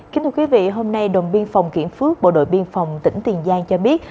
kính thưa quý vị hôm nay đồn biên phòng kiển phước bộ đội biên phòng tỉnh tiền giang cho biết